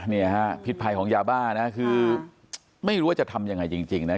นี่ฮะพิษภัยของยาบ้านะคือไม่รู้ว่าจะทำยังไงจริงนะ